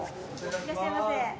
いらっしゃいませ。